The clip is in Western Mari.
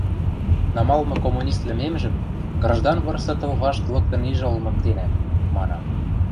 Намалмы коммунист лӹмемжӹм граждан вырсы тыл вашт лыктын ижӹ олмыктенӓм, – манам.